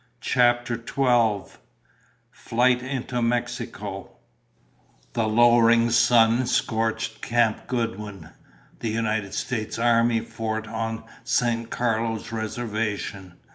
CHAPTER TWELVE Flight into Mexico The lowering sun scorched Camp Goodwin, the United States Army fort on the San Carlos reservation.